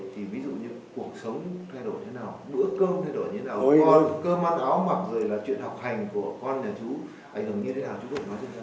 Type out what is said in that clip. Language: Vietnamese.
thì ví dụ như cuộc sống thay đổi thế nào